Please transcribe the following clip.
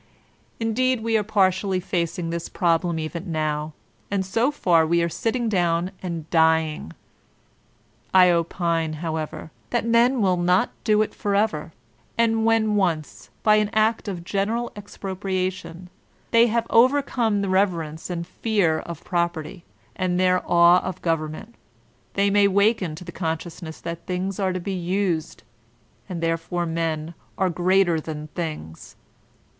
Indeed, we are partially facing this problem even now ; and so far we are sitting down and dying. I opine, how ever, that men will not do it forever : and when once by 134 VOLTAIKIKE DB ClEYRE an act of general expropriation they have overcome the reverence and fear of property, and their awe of govem ment» they may waken to the consciousness that things are to be used, and therefore men are greater than things.